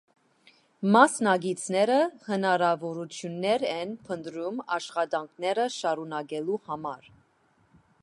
Մասնակիցները հնարավորություններ են փնտրում աշխատանքները շարունակելու համար։